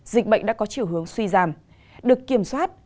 dịch bệnh đã có chiều hướng suy giảm được kiểm soát